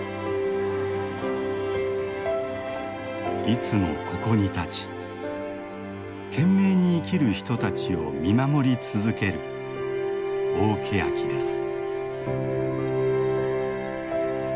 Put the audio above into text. いつもここに立ち懸命に生きる人たちを見守り続ける大ケヤキです。